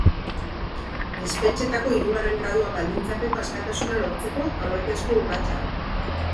Espetxeetako hirugarren gradua baldintzapeko askatasuna lortzeko aurretiazko urratsa da.